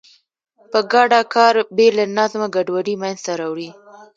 په ګډه کار بې له نظمه ګډوډي منځته راوړي.